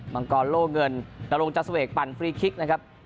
มังกรโล่เงินนรงจาเสวกปั่นฟรีคิกนะครับ